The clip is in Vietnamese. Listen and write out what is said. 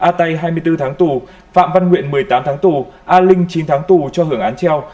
a tây hai mươi bốn tháng tù phạm văn nguyện một mươi tám tháng tù a linh chín tháng tù cho hưởng án treo